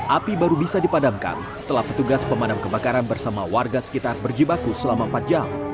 api baru bisa dipadamkan setelah petugas pemadam kebakaran bersama warga sekitar berjibaku selama empat jam